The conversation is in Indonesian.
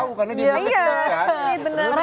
makanya aku gak tau karena di indonesia sudah ada kan